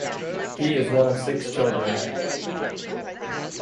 He is one of six children.